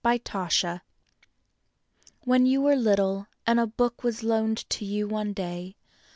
WDfllSN YOU were little, and a book was loaned to you one day.